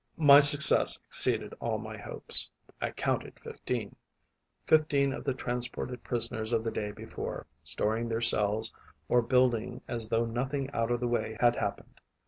My success exceeded all my hopes: I counted fifteen, fifteen of the transported prisoners of the day before, storing their cells or building as though nothing out of the way had happened.